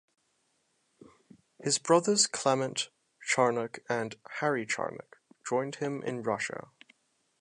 His brothers Clement Charnock and Harry Charnock joined him in Russia.